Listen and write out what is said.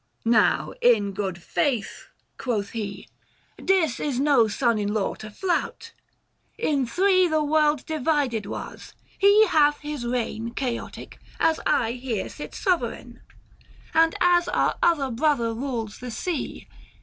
" Now, in good faith," quoth he, " Dis is no son in law to flout. In three The world divided was ; he hath his reign Chaotic, as I here sit sovereign ; And as our other brother rules the sea.